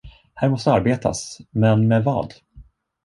Här måste arbetas, men med vad?